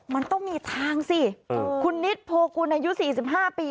มันต้องมีทางสิคุณนิดโพกุลอายุ๔๕ปี